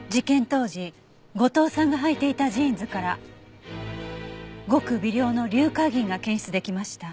当時後藤さんがはいていたジーンズからごく微量の硫化銀が検出できました。